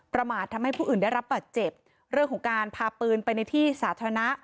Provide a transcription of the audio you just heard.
ประมาททำให้ผู้อื่นได้รับบาดเจ็บเรื่องของการพาปืนไปในที่สาธารณะ